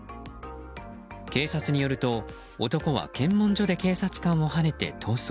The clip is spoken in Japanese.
警察によると、男は検問所で警察官をはねて逃走。